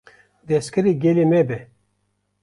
destgirê gelê me be!